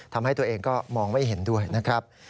ทำให้ตัวเองก็มองไม่เห็นด้วยนะครับ